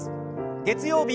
月曜日